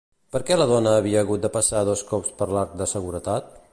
Per què la dona havia hagut de passar dos cops per l'arc de seguretat?